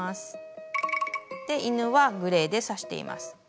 犬はグレーで刺しています。